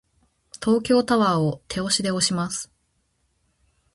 東京タワーを手押しで押します。